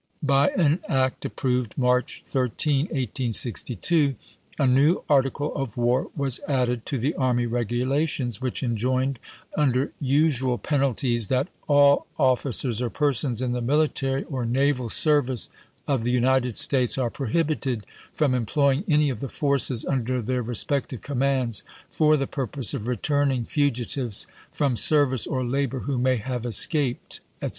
By an act approved March 13, 1862, a new article of war was added to the army regulations, which enjoined, under usual penalties, that "All officers or persons in the mili tary or naval service of the United States are pro hibited from employing any of the forces under their respective commands for the purpose of return ing fugitives from service or labor who may have escaped," etc.